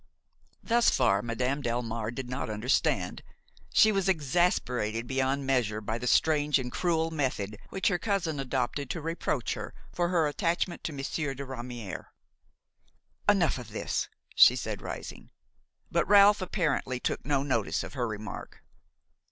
Thus far Madame Delmare did not understand. She was exasperated beyond measure by the strange and cruel method which her cousin adopted to reproach her for her attachment to Monsieur de Ramière. "Enough of this," she said, rising. But Ralph apparently took no notice of her remark.